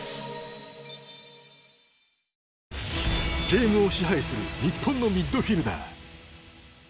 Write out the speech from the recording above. ゲームを支配する日本のミッドフィルダー。